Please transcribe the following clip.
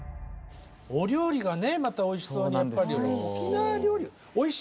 お料理がねまたおいしそうにやっぱり。